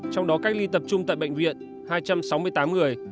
trong đó cách ly tập trung tại bệnh viện hai trăm sáu mươi tám người